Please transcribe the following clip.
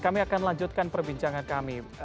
kami akan lanjutkan perbincangan kami